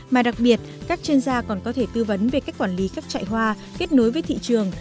mà đặc biệt các chuyên gia còn có thể tư vấn về cách quản lý các trại hoa kết nối với thị trường